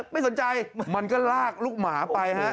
ไม่สนใจมันก็ลากลูกหมาไปฮะ